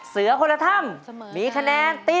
เสื้อคนละท่ำเป็นฝ่ายชนะ